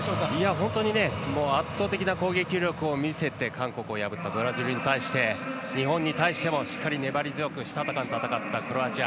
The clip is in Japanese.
本当に圧倒的な攻撃力を見せて韓国を破ったブラジルに対して日本に対してもしっかり粘り強くしたたかに戦った、クロアチア。